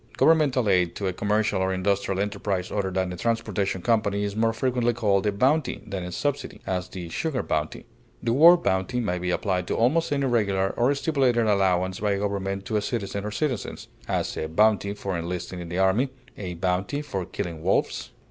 Governmental aid to a commercial or industrial enterprise other than a transportation company is more frequently called a bounty than a subsidy; as, the sugar bounty. The word bounty may be applied to almost any regular or stipulated allowance by a government to a citizen or citizens; as, a bounty for enlisting in the army; a bounty for killing wolves.